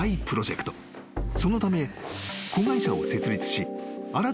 ［そのため］